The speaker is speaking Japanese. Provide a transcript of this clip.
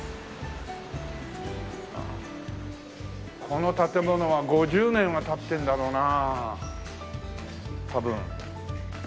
この建物は５０年は経ってるんだろうな多分。